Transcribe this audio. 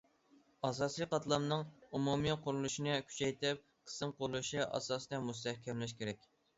ئاساسىي قاتلامنىڭ ئومۇمىي قۇرۇلۇشىنى كۈچەيتىپ، قىسىم قۇرۇلۇشى ئاساسىنى مۇستەھكەملەش كېرەك.